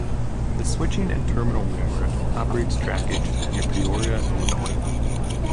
The switching and terminal railroad operates trackage near Peoria, Illinois.